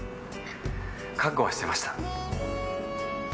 覚悟はしてました。